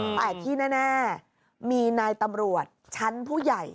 แต่ที่แน่มีนายตำรวจชั้นผู้ใหญ่